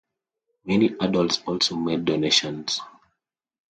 Many adults also made donations.